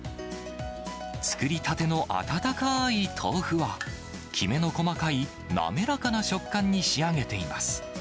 作りたての温かい豆腐はきめの細かい滑らかな食感に仕上げています。